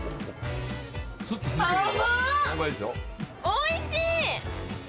おいしい！